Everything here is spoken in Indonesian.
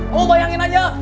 kamu bayangin aja